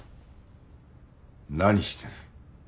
何してる。